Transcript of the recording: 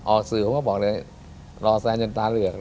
ออกสื่อผมก็บอกเลยรอแซนจนตาเหลือก